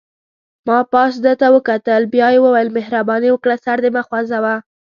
ما پاس ده ته وکتل، بیا یې وویل: مهرباني وکړه سر دې مه خوځوه.